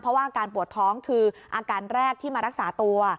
เพราะว่าอาการปวดท้องคืออาการแรกที่มารักษาตัว